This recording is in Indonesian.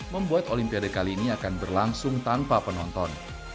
membuat olimpiade kali ini akan berlangsung tanpa penonton